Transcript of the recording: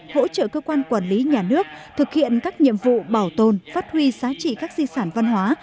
hỗ trợ cơ quan quản lý nhà nước thực hiện các nhiệm vụ bảo tồn phát huy giá trị các di sản văn hóa